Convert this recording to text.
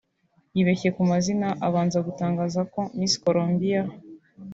yibeshye ku mazina abanza gutangaza ko Miss Colombia